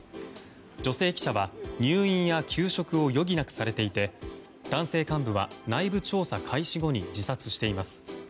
女性記者は、入院や休職を余儀なくされていて男性幹部は内部調査開始後に自殺しています。